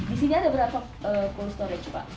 di sini ada berapa cold storage pak